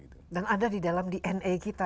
dan ada di dalam dna kita